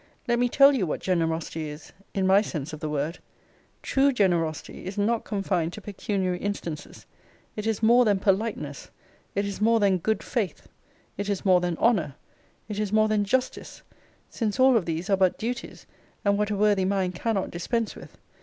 Let me tell you what generosity is, in my sense of the word TRUE GENEROSITY is not confined to pecuniary instances: it is more than politeness: it is more than good faith: it is more than honour; it is more than justice; since all of these are but duties, and what a worthy mind cannot dispense with.